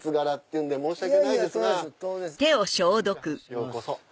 ようこそ。